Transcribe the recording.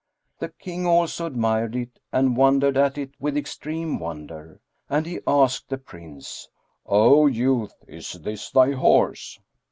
The King also admired it and wondered at it with extreme wonder; and he asked the Prince, "O youth, is this thy horse?"